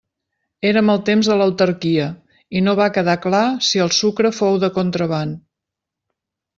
Érem al temps de l'autarquia i no va quedar clar si el sucre fou de contraban.